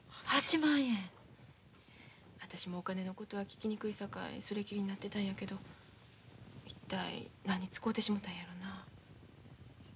私もお金のことは聞きにくいさかいそれきりになってたんやけど一体何に使うてしもたんやろな。